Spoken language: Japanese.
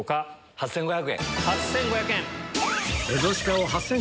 ８５００円。